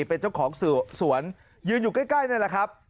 เป็นเจ้าของสื่อสวนยืนอยู่ใกล้นั่นแหละครับ